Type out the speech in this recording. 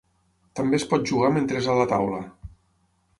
També es pot jugar mentre és a la taula.